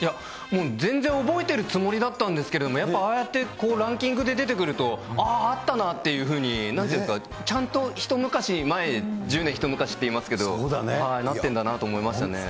もう全然覚えてるつもりだったんですけど、やっぱああやってランキングで出てくると、ああ、あったなっていうふうに、なんていうか、ちゃんと一昔前、十年一昔っていいますけど、なってるんだなと思いましたね。